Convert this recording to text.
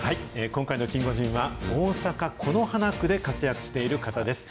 今回のキンゴジンは、大阪・此花区で活躍している方です。